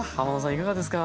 いかがですか？